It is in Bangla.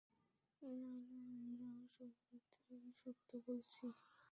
নায়না, আমরা শুধুই সত্য বলছি।